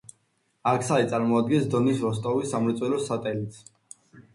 აქსაი წარმოადგენს დონის როსტოვის სამრეწველო სატელიტს.